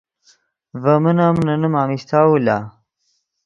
ڤے من ام نے نیم امیشتاؤ لا